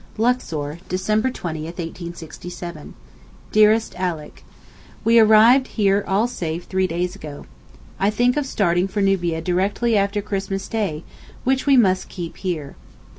LUXOR, December 20, 1867. DEAREST ALICK, We arrived here all safe three days ago. I think of starting for Nubia directly after Christmas Day, which we must keep here.